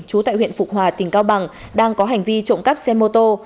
trú tại huyện phục hòa tỉnh cao bằng đang có hành vi trộm cắp xe mô tô